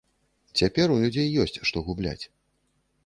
Цяпер у людзей ёсць, што губляць.